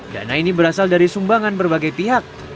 dana ini berasal dari sumbangan berbagai pihak